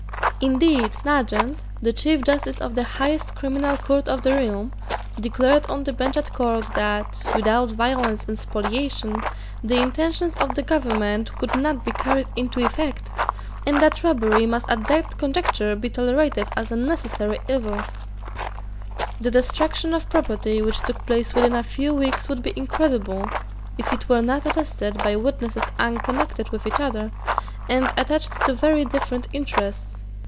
Indeed Nugent, the Chief justice of the highest criminal court of the realm, declared on the bench at Cork that, without violence and spoliation, the intentions of the Government could not be carried into effect, and that robbery must at that conjuncture be tolerated as a necessary evil, The destruction of property which took place within a few weeks would be incredible, if it were not attested by witnesses unconnected with each other and attached to very different interests.